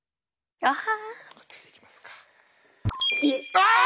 ああ！